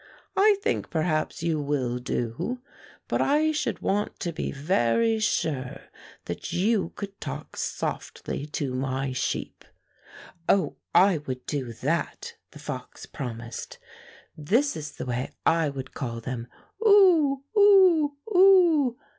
I think perhaps you will do, but I should want to be very sure that you could talk softly to my sheep." "Oh, I would do that!" the fox promised. "This is the way I would call them — Ooo! Ooo! Ooo!"